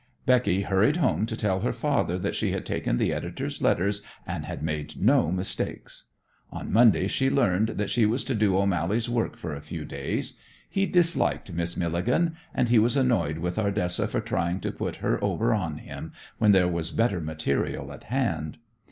Becky hurried home to tell her father that she had taken the editor's letters and had made no mistakes. On Monday she learned that she was to do O'Mally's work for a few days. He disliked Miss Milligan, and he was annoyed with Ardessa for trying to put her over on him when there was better material at hand.